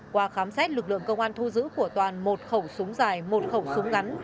qua khám xét lực lượng công an thu giữ của toàn một khẩu súng dài một khẩu súng ngắn